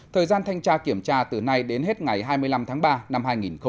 thời gian thanh tra kiểm tra từ nay đến hết ngày hai mươi năm tháng ba năm hai nghìn hai mươi